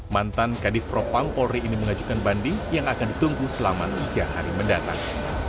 mantan kadif propam polri ini mengajukan banding yang akan ditunggu selama tiga hari mendatang